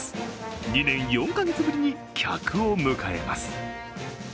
２年４か月ぶりに客を迎えます。